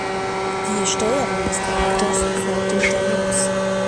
Die Steuerung des Charakters erfolgte mit der Maus.